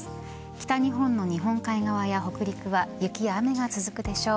北日本の日本海側や北陸は雪や雨が続くでしょう。